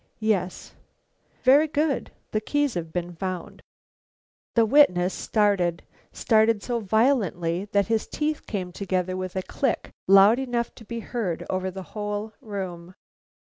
"Yes." "Very good; the keys have been found." The witness started, started so violently that his teeth came together with a click loud enough to be heard over the whole room.